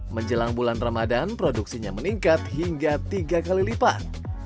menjelang bulan ramadan produksinya meningkat hingga tiga kali lipat